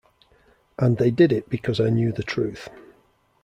And they did it because I knew the truth.